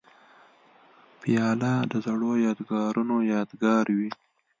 پیاله د زړو یادونو یادګار وي.